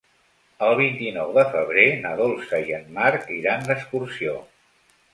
El vint-i-nou de febrer na Dolça i en Marc iran d'excursió.